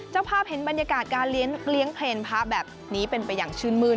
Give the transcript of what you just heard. เจ้าภาพเห็นบรรยากาศการเลี้ยงเพลงพระแบบนี้เป็นไปอย่างชื่นมื้น